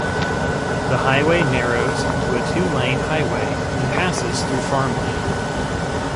The highway narrows to a two-lane highway and passes through farmland.